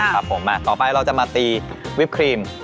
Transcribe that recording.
ครับผมต่อไปเราจะมาตีวิปครีม